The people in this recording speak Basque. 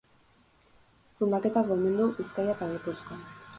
Zundaketak baimendu Bizkaia eta Gipuzkoan.